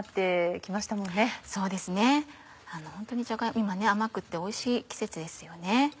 今甘くておいしい季節ですよね。